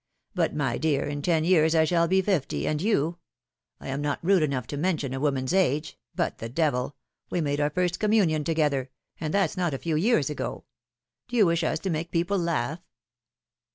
But, my dear, in ten years, I shall be fifty, and you — I am not rude enough to mention a woman's age; but, the devil! we made our first communion together, and that's not a few years ago ! Do you wish us to make people laugh?"